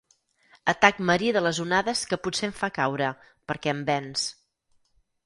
Atac marí de les onades que potser em fa caure, perquè em venç.